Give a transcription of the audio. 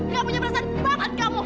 gak punya perasaan banget kamu